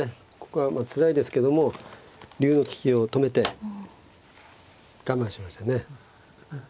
ここはつらいですけども竜の利きを止めて我慢しましたね。